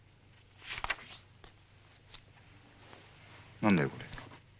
何だよこれ。